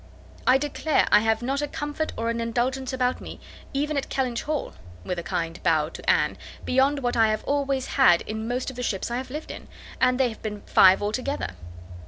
I declare I have not a comfort or an indulgence about me, even at Kellynch Hall," (with a kind bow to Anne), "beyond what I always had in most of the ships I have lived in; and they have been five altogether."